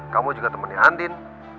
kamu juga temennya andin